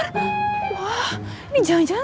ini jangan jangan kemana mana